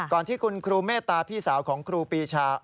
ที่คุณครูเมตตาพี่สาวของครูปีชา